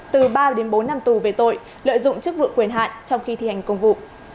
từ ba đến bốn năm tù về tội lợi dụng chức vụ quyền hạn trong khi thi hành công vụ